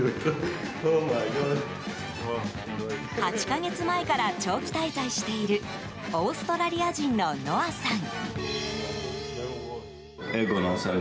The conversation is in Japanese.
８か月前から長期滞在しているオーストラリア人のノアさん。